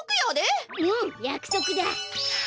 うんやくそくだ！